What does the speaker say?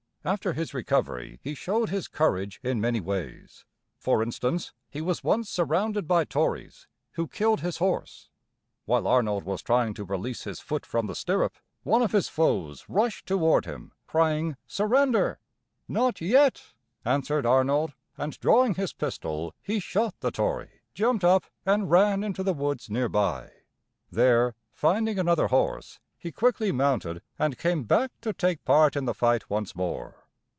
After his recovery he showed his courage in many ways. For instance, he was once surrounded by Tories, who killed his horse. While Arnold was trying to release his foot from the stirrup, one of his foes rushed toward him, crying, "Surrender!" "Not yet," answered Arnold, and, drawing his pistol, he shot the Tory, jumped up, and ran into the woods near by. There, finding another horse, he quickly mounted, and came back to take part in the fight once more.